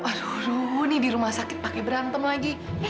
aduh nih di rumah sakit pake berantem lagi